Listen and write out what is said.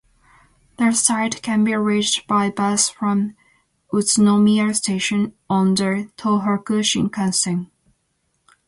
The site can be reached by bus from Utsunomiya Station on the Tohoku Shinkansen.